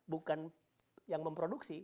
bukan yang memproduksi